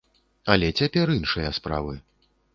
Але цяпер іншыя справы.